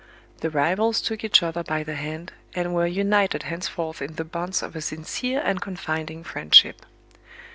The rivals took each other by the hand, and were united henceforth in the bonds of a sincere and confiding friendship.